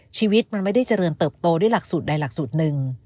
ชีวิตมันไม่ได้เจริญเติบโตด้วยหลักสูตรใดหลักสูตรหนึ่ง